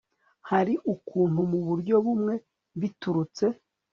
hari ukuntu mu buryo bumwe biturutse